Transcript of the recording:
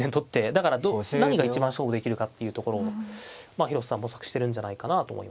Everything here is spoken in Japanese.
だから何が一番勝負できるかっていうところを広瀬さん模索してるんじゃないかなと思いますね。